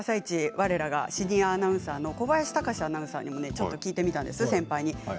われらがシニアアナウンサーの小林孝司アナウンサーに聞いてみたんです、先輩に。